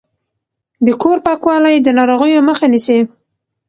د کور پاکوالی د ناروغیو مخه نیسي۔